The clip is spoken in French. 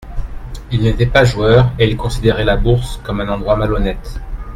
Il n'était pas joueur et il considérait la Bourse comme un endroit malhonnête.